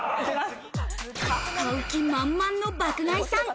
買う気満々の爆買いさん。